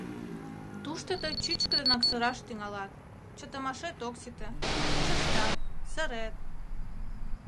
Тушто тый чӱчкыдынак сыраш тӱҥалат, чытымашет ок сите, шокшештат, сырет.